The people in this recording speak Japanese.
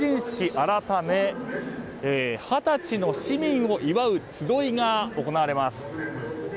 改め二十歳の市民を祝うつどいが行われます。